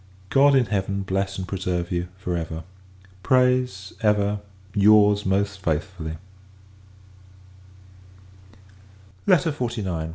God in Heaven bless and preserve you, for ever! prays, ever, your's most faithfully, LETTER XLIX.